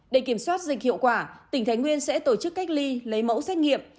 để kiểm soát dịch hiệu quả tỉnh thái nguyên sẽ tổ chức cách ly lấy mẫu xét nghiệm